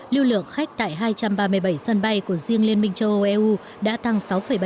lưu lượng khách tại hai trăm ba mươi bảy sân bay của riêng liên minh châu âu eu đã tăng sáu bảy